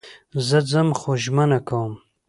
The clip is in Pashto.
زه ځم خو ژمنه کوم